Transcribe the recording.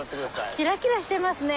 キラキラしてますね。